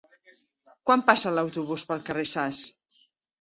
Quan passa l'autobús pel carrer Sas?